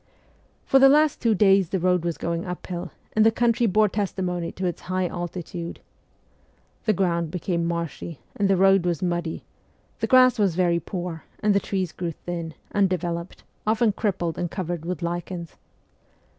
For the last two days the road was going up hill, and the country bore testimony to its high altitude. The ground became marshy, and the road was muddy ; the grass was very poor, and the trees grew thin, un developed, often crippled and covered with lichens.